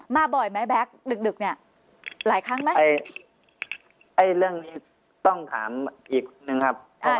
บ่อยไหมแบ็คดึกเนี่ยหลายครั้งไหมเรื่องนี้ต้องถามอีกหนึ่งครับ